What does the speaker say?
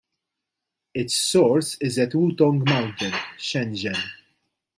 Its source is at Wutong Mountain, Shenzhen.